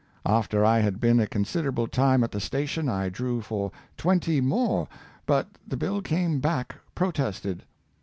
After I had been a considerable time at the station I drew for twenty more, but the bill came back pro tested.